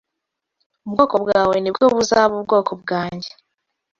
Ubwoko bwawe ni bwo buzaba ubwoko bwanjye